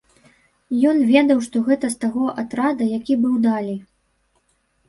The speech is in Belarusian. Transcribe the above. Ён ведаў, што гэта з таго атрада, які быў далей.